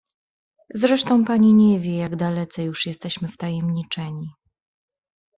"Zresztą, pani nie wie, jak dalece jesteśmy już wtajemniczeni“."